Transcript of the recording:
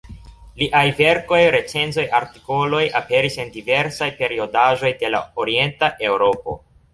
Liaj verkoj, recenzoj, artikoloj aperis en diversaj periodaĵoj de la Orienta Eŭropo.